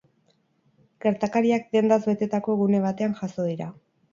Gertakariak dendaz betetako gune batean jazo dira.